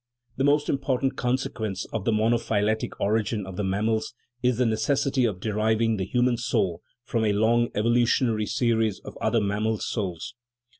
The most important consequence of the monophy letic origin of the mammals is the necessity of deriving the human soul from a long evolutionary series of other mammal souls.